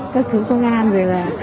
các chú công an rồi là